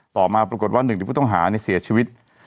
ต่อมาปรากฏว่า๑ติดผู้ต้องหาเสียชีวิต